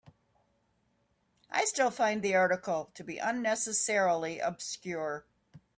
I still find the article to be unnecessarily obscure.